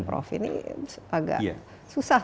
prof ini agak susah tapi kan kalau indonesia di dalam sebesar ini